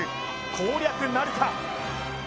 攻略なるか？